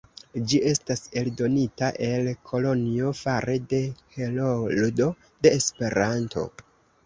Ĝi estas eldonita en Kolonjo fare de Heroldo de Esperanto.